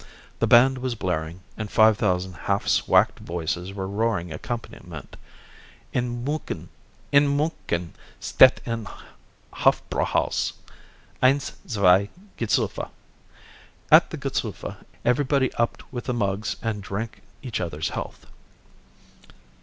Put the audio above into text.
The band was blaring, and five thousand half swacked voices were roaring accompaniment. In Muenchen steht ein Hofbräuhaus! Eins, Zwei, G'sufa! At the G'sufa everybody upped with the mugs and drank each other's health.